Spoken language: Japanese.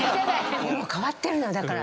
もう変わってるのよだから。